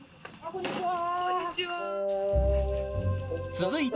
こんにちは。